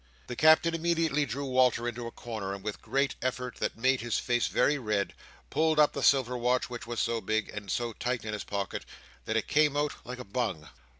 The Captain immediately drew Walter into a corner, and with a great effort, that made his face very red, pulled up the silver watch, which was so big, and so tight in his pocket, that it came out like a bung.